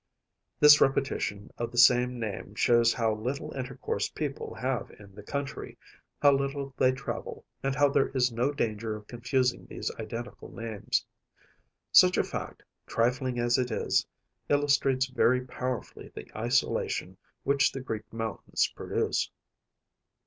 This repetition of the same name shows how little intercourse people have in the country, how little they travel, and how there is no danger of confusing these identical names. Such a fact, trifling as it is, illustrates very powerfully the isolation which the Greek mountains produce.